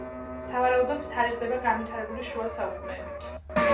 სავარაუდოდ, თარიღდება განვითარებული შუა საუკუნეებით.